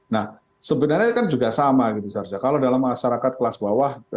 nah sebenarnya kan juga sama gitu sarja kalau dalam masyarakat kelas bawah